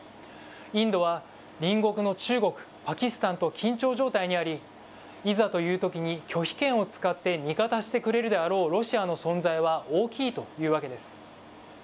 インドは隣国の中国、パキスタンと緊張状態にあり、いざというときに、拒否権を使って味方してくれるであろうロシアの存在は大きいというわけです。